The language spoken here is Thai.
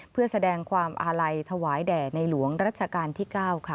เพื่อแสดงความอาลัยถวายแด่ในหลวงรัชกาลที่๙ค่ะ